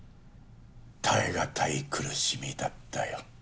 耐え難い苦しみだったよ。